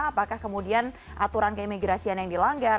apakah kemudian aturan keimigrasian yang dilanggar